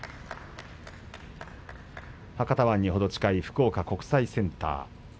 博多湾に近い福岡国際センター。